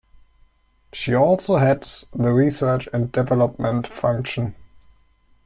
She also heads the Research and Development function.